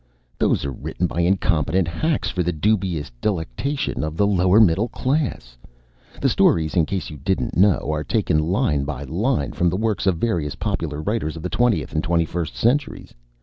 These are written by incompetent hacks for the dubious delectation of the lower middle class. The stories, in case you didn't know, are taken line by line from the works of various popular writers of the twentieth and twenty first centuries.